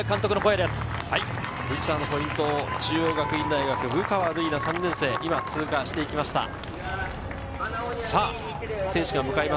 藤沢のポイントを中央学院大、武川流以名が今、通過していきました。